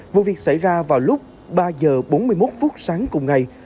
vụ việc xảy ra vào lúc ba h bốn mươi một phút sáng cùng ngày